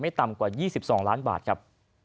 ได้ทักษิณภาพได้ไม่ต่ำกว่า๒๒ล้านบาทครับ